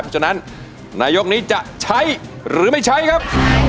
ฉะนั้นนายกนี้จะใช้หรือไม่ใช้ครับ